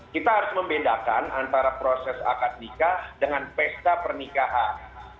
kita harus membedakan antara proses akad nikah dengan pesta pernikahan